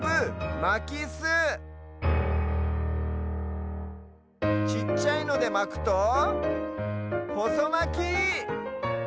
まきすちっちゃいのでまくとほそまき！